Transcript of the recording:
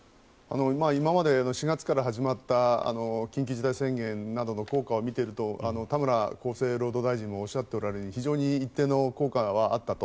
今まで４月から始まった緊急事態宣言などの効果を見ていると田村厚生労働大臣もおっしゃっておられるように非常に一定の効果はあったと。